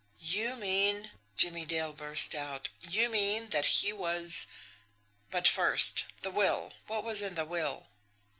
"You mean," Jimmie Dale burst out, "you mean that he was but, first, the will! What was in the will?"